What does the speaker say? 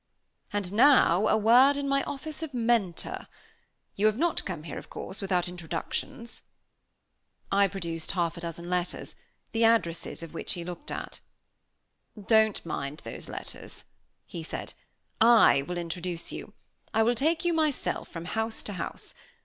"And now a word in my office of Mentor. You have not come here, of course, without introductions?" I produced half a dozen letters, the addresses of which he looked at. "Don't mind these letters," he said. "I will introduce you. I will take you myself from house to house.